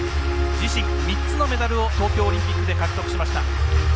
自身、３つのメダルを東京オリンピックで獲得しました。